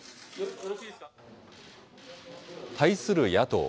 対する野党。